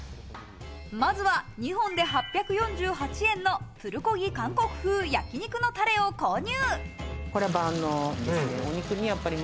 まずは２本で８４８円のプルコギ韓国風焼肉のたれを購入。